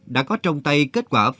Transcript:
đã có trong tay kết quả phân tích